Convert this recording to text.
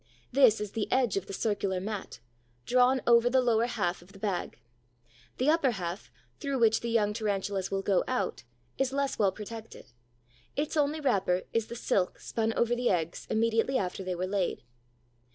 This is the edge of the circular mat, drawn over the lower half of the bag. The upper half, through which the young Tarantulas will go out, is less well protected: its only wrapper is the silk spun over the eggs immediately after they were laid.